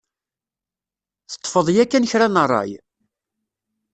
Teṭṭfeḍ yakan kra n rray?